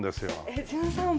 えっ『じゅん散歩』。